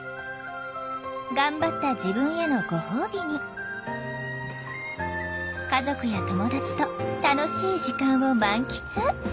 頑張った自分へのご褒美に家族や友達と楽しい時間を満喫。